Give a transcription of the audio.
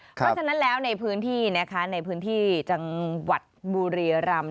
เพราะฉะนั้นแล้วในพื้นที่จังหวัดบุรียรำ